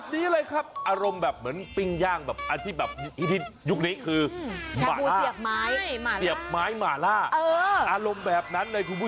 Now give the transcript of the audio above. สิ๊งปิ้งย่างที่ยึกนี้คือหมาล่ะ